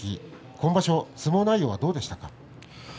今場所の相撲内容はどうでしたか。